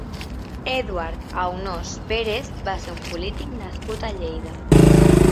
Eduard Aunós Pérez va ser un polític nascut a Lleida.